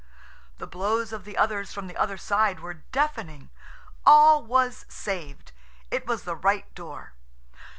The blows of the others from the other side were deafening. All was saved. It was the right door.